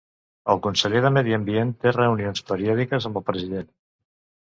El conseller de Medi Ambient té reunions periòdiques amb el president.